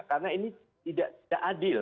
karena ini tidak adil